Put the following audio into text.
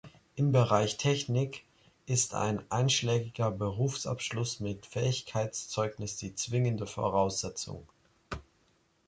Im Bereich Technik ist ein einschlägiger Berufsabschluss mit Fähigkeitszeugnis die zwingende Voraussetzung.